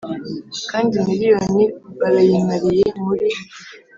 kandi miriyoni barayimariye muri